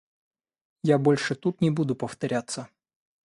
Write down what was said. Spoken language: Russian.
Я больше тут не буду повторяться.